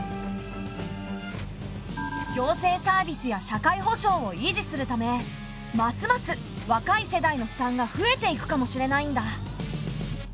行政サービスや社会保障を維持するためますます若い世代の負担が増えていくかもしれないんだ。